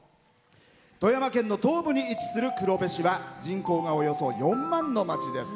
富山県の東部に位置する黒部市は人口がおよそ４万の町です。